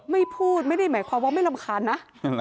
ไม่พูดไม่ได้หมายความว่าไม่รำคาญนะ